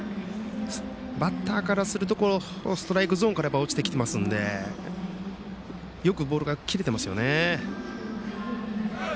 バッターからするとストライクゾーンから落ちてきていますのでよくボールが切れてますよね。